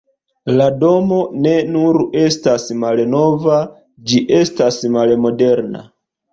La domo ne nur estas malnova, ĝi estas malmoderna.